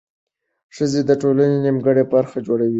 ښځې د ټولنې نیمه برخه جوړوي.